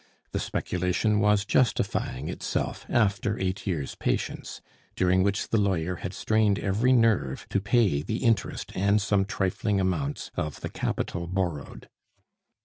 The speculation was justifying itself after eight years' patience, during which the lawyer had strained every nerve to pay the interest and some trifling amounts of the capital borrowed.